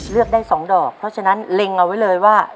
เลือกได้๒ดอกเพราะฉะนั้นเล็งเอาไว้เลยว่า